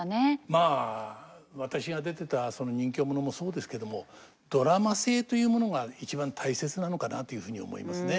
まあ私が出てた任侠ものもそうですけどもドラマ性というものが一番大切なのかなというふうに思いますね。